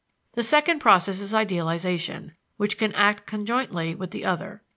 The second process is idealization, which can act conjointly with the other.